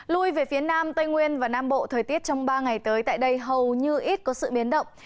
lui về phía nam tây nguyên và nam bộ thời tiết trong ba ngày tới tại đây hầu như ít có sự biến động